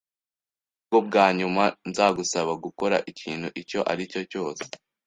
Ubu ni bwo bwa nyuma nzagusaba gukora ikintu icyo ari cyo cyose.